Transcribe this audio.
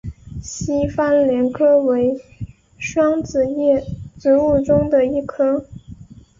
西番莲科为双子叶植物中的一科。